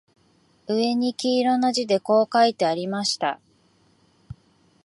上に黄色な字でこう書いてありました